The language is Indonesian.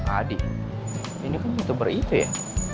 adik ini kan youtuber itu ya